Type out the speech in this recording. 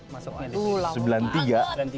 masuknya di disney